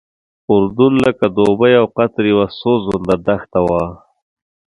اردن لکه دوبۍ او قطر یوه سوځنده دښته وه.